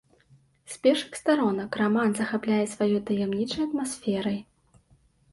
З першых старонак раман захапляе сваёй таямнічай атмасферай.